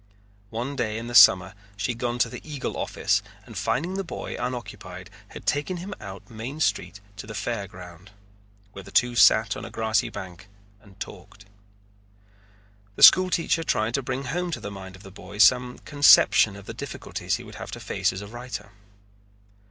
One day in the summer she had gone to the Eagle office and finding the boy unoccupied had taken him out Main Street to the Fair Ground, where the two sat on a grassy bank and talked. The school teacher tried to bring home to the mind of the boy some conception of the difficulties he would have to face as a writer.